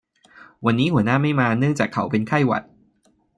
วันนี้หัวหน้าไม่มาเนื่องจากเขาเป็นไข้หวัด